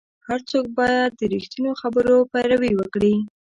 هر څوک باید د رښتینو خبرونو پیروي وکړي.